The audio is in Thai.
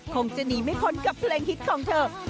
คงจะหนีไม่พ้นกับเพลงฮิตของเธอ